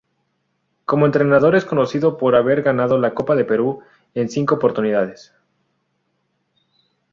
Como entrenador es conocido por haber ganado la Copa Perú en cinco oportunidades.